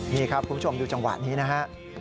นี่ครับคุณผู้ชมดูจังหวะนี้นะฮะ